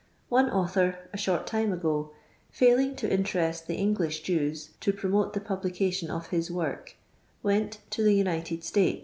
One author, a short time a;:o, failing to interest the English Jews, to promote the publitation of his work, went to the United State?